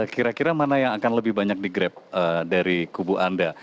kira kira mana yang akan lebih banyak di grab dari kubu anda